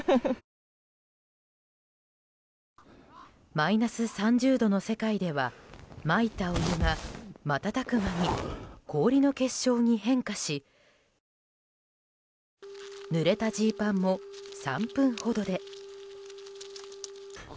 マイナス３０度の世界ではまいたお湯が瞬く間に氷の結晶に変化しぬれたジーパンも３分ほどで。